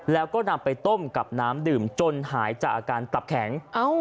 แล้วก็นำไปต้มกับน้ำดื่มจนหายจากอาการตับแข็ง